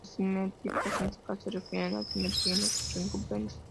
Las simetrías en este caso se refieren a simetría en las recompensas.